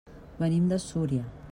Venim de Súria.